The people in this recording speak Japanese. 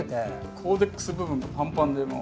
コーデックス部分がパンパンでもう。